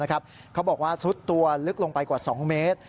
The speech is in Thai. เขาบอกว่าซุดตัวลึกลงไปกว่า๒เมตร